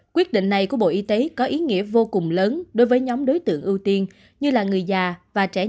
quyết định này của bộ y tế có ý nghĩa vô cùng lớn đối với nhóm đối tượng ưu tiên như là người già và trẻ nhỏ